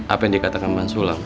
apa yang dikatakan bang sulang